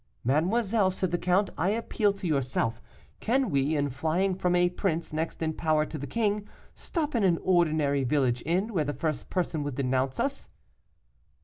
'Mademoiselle,' said the count, 'I appeal to yourself. Can we, in flying from a prince next in power to the king, stop in an ordinary village inn, where the first person would denounce us?